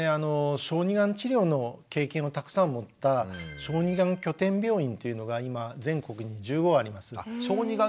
小児がん治療の経験をたくさん持った小児がん拠点病院というのが今全国に１５あります。